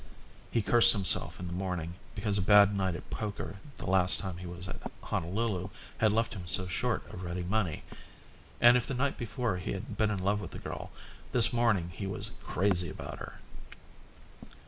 He cursed himself in the morning because a bad night at poker the last time he was at Honolulu had left him so short of ready money. And if the night before he had been in love with the girl, this morning he was crazy about her.